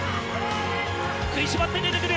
「食いしばって出てくる」。